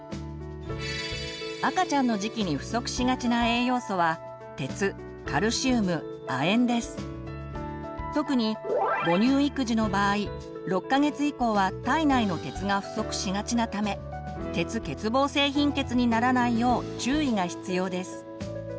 赤ちゃんの時期に不足しがちな栄養素は特に母乳育児の場合６か月以降は体内の鉄が不足しがちなため鉄欠乏性貧血にならないよう注意が必要です。